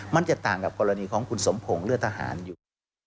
มันจะต่างกับกรณีของคุณสมพงศ์เลือดทหารอยู่